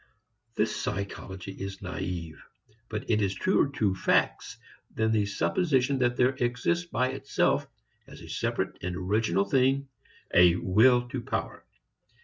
This psychology is naive but it is truer to facts than the supposition that there exists by itself as a separate and original thing a will to power.